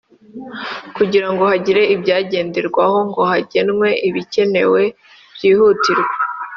kugirango hagire ibyagenderwaho ngo hagenwe ibikenewe byihutirwa